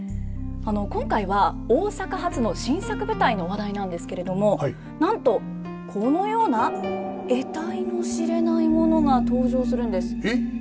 今回は大阪発の新作舞台の話題なんですけれどもなんとこのような得体の知れないものが登場するんです。